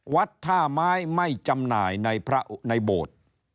วัดท่าไม้ไม่จำหน่ายในโบสถ์